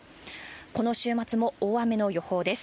この週末も大雨の予報です。